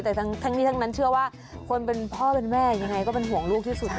แต่ทั้งนี้ทั้งนั้นเชื่อว่าคนเป็นพ่อเป็นแม่ยังไงก็เป็นห่วงลูกที่สุด